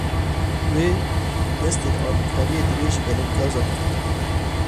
Wê, destê alîkariyê dirêjî belengazan kir.